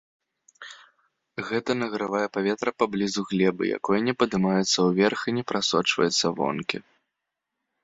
Гэта награвае паветра паблізу глебы, якое не падымаецца ўверх і не прасочваецца вонкі.